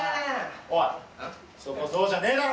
おいそこそうじゃねえだろ！